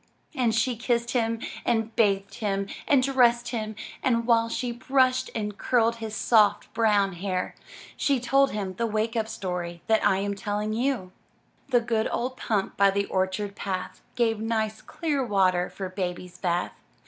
And she kissed him and bathed him and dressed him, and while she brushed and curled his soft, brown hair, she told him the Wake Up story that I am telling you: — The good old pump by the orchard path, Gave nice, clear water for Baby's bath.